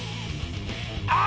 あ！